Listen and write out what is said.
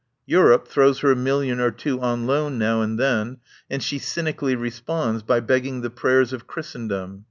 Europe throws her a mil lion or two on loan now and then, and she cynically responds by begging the prayers of Christendom.